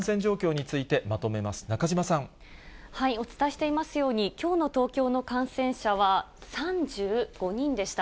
につお伝えしていますように、きょうの東京の感染者は３５人でした。